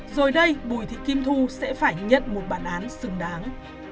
rồi đây bùi thị kim thu sẽ phải nhận một bản án xứng đáng